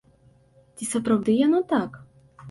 Ці сапраўды яно так?